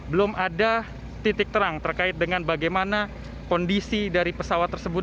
belum ada titik terang terkait dengan bagaimana kondisi dari pesawat tersebut